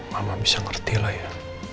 mama bisa ngerti lah ya